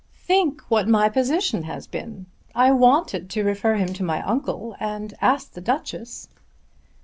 "Think what my position has been! I wanted to refer him to my uncle and asked the Duchess."